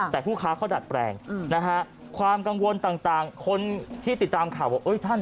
แต่ผู้ค้าเขาดัดแปลงนะฮะความกังวลต่างคนที่ติดตามข่าวว่าท่าน